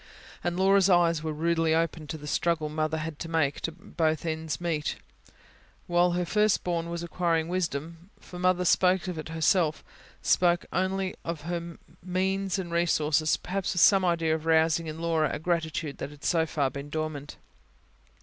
And Laura's eyes were rudely opened to the struggle Mother had had to make both ends meet, while her first born was acquiring wisdom; for Mother spoke of it herself, spoke openly of her means and resources, perhaps with some idea of rousing in Laura a gratitude that had so far been dormant.